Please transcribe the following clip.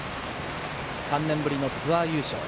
３年ぶりのツアー優勝、ＡＮＡ